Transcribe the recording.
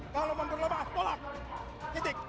kalau memperlepas tolak